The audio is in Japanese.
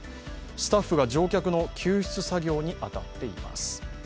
スタッフが乗客の救出作業に当たっています。